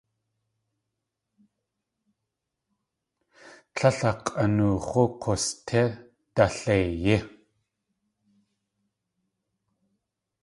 Tléil a k̲ʼanoox̲ú k̲oostí daleiyí.